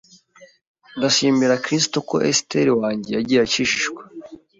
ndashimira kristo ko Esteri wanjye yagiye akijijwe